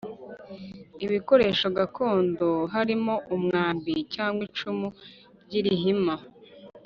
Ibikoresho gakondo harimo umwambi cyangwa icumu ry’ irihima